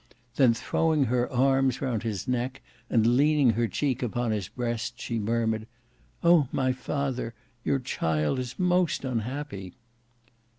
Then throwing her arms round his neck and leaning her cheek upon his breast, she murmured, "Oh! my father, your child is most unhappy."